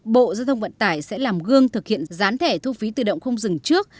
bộ giao thông vận tải sẽ làm gương thực hiện gián thẻ thu phí tự động không dừng trước